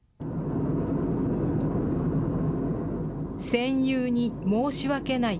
戦友に申し訳ない。